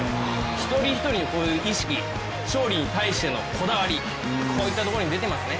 １人１人のこういう意識、勝利に対してのこだわり、こういったところに出てますね。